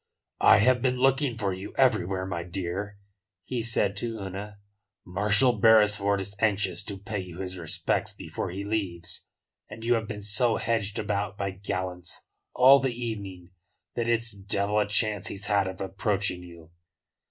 "I have been looking for you everywhere, my dear," he said to Una. "Marshal Beresford is anxious to pay you his respects before he leaves, and you have been so hedged about by gallants all the evening that it's devil a chance he's had of approaching you."